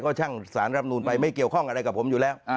ก็ช่างสารรับนูนไปไม่เกี่ยวข้องอะไรกับผมอยู่แล้ว